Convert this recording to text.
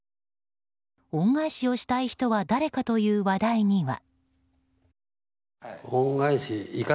恩返しをした人は誰かという話題には。